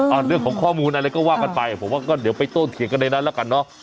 เอาเรื่องของข้อมูลอะไรก็ว่ากันไปผมว่าก็เดี๋ยวไปโต้เถียงกันในนั้นแล้วกันเนอะ